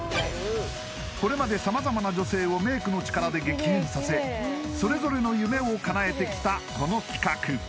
これまで様々な女性をメイクの力で激変させそれぞれの夢をかなえてきたこの企画